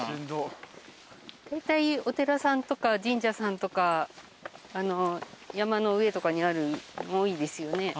だいたいお寺さんとか神社さんとか山の上とかにあるの多いですよね。